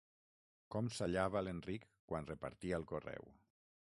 Com sallava, l'Enric, quan repartia el correu!